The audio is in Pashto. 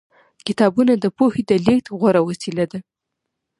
کتابونه د پوهې د لېږد غوره وسیله ده.